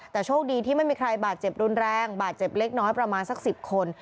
แต่โชคดีที่ไม่มีใครบาดเจ็บรุนแรงบาดเจ็บเล็กน้อยประมาณสัก๑๐คน